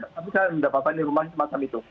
tapi saya mendapatkan hukuman semacam itu